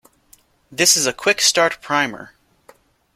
This is a quick start primer.